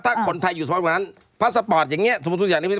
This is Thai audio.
ถ้าคนไทยอยู่สภาพเหมือนกันนั้น